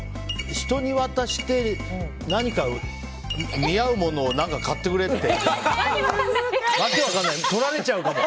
人に渡して、何か見合うものを買ってくれって。